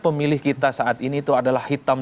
pemilih kita saat ini itu adalah hitam